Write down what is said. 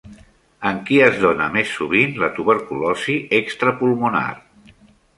En qui es dóna més sovint la tuberculosi extrapulmonar?